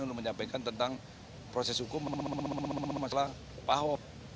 untuk menyampaikan tentang proses hukum masalah pahop